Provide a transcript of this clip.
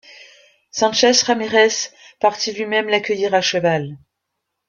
Sánchez Ramírez partit lui-même l'accueillir à cheval.